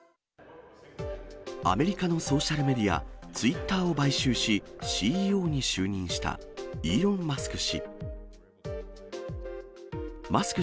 アメリカのソーシャルメディア、ツイッターを買収し、ＣＥＯに就任したイーロン・マスク